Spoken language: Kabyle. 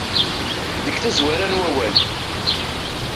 Deg tazwara n wawal.